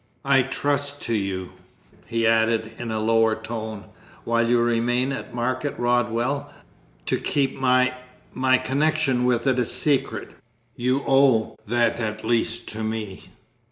I trust to you," he added, in a lower tone, "while you remain at Market Rodwell, to keep my my connection with it a secret; you owe that at least to me.